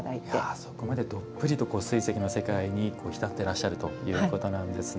そこまでどっぷりと水石の世界に浸ってらっしゃるということなんですね。